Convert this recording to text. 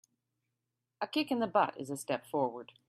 A kick in the butt is a step forward.